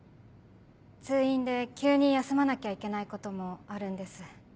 通院で急に休まなきゃいけないこともあるんです。